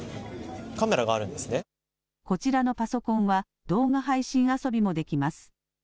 こちらのパソコンは、動画配信遊びもできます。